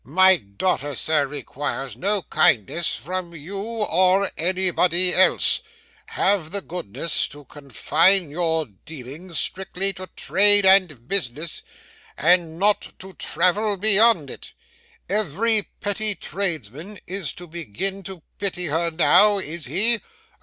'My daughter, sir, requires no kindness from you or anybody else. Have the goodness to confine your dealings strictly to trade and business, and not to travel beyond it. Every petty tradesman is to begin to pity her now, is he?